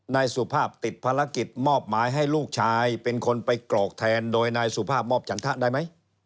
นายสุภาพติดภารกิจมอบหมายให้ลูกชายเป็นคนไปกรอกแทนโดยนายสุภาพมอบจันทะได้ไหม